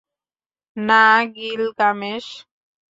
না, গিলগামেশ!